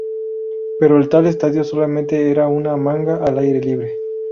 Pero el tal estadio solamente era una manga al aire libre.